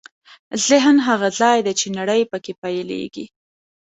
ذهن هغه ځای دی چې نړۍ پکې پیلېږي.